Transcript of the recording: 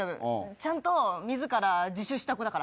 ちゃんとみずから自首した子だから。